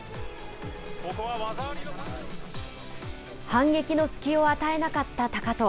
反撃の隙を与えなかった高藤。